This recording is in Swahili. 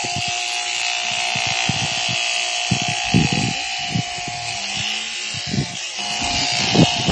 Tangawizi kijiko kidogo kimojaa cha chai